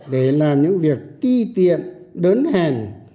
để làm những việc ti tiện đớn hèn